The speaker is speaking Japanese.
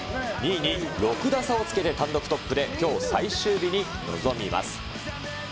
２位に６打差をつけて単独トップで、きょう最終日に臨みます。